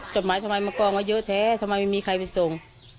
จดหมายทำไมมากองไว้เยอะแท้ทำไมไม่มีใครไปส่ง